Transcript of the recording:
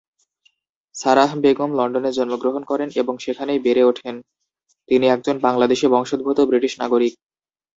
Sarah Begum লন্ডনে জন্মগ্রহণ করেন এবং সেখানেই বেড়ে ওঠেন, তিনি একজন বাংলাদেশি বংশোদ্ভূত ব্রিটিশ নাগরিক।